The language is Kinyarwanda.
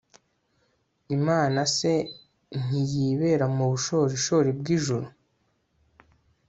imana se ntiyibera mu bushorishori bw'ijuru